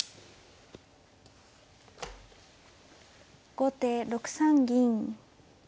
後手６三銀。